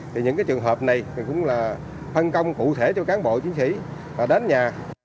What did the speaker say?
thì những cái trường hợp này cũng là phân công cụ thể cho cán bộ chiến sĩ đến nhà